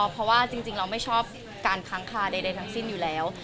เพราะว่าจริงเราไม่ชอบการค้างคาใดทั้งสิ้นอยู่แล้ว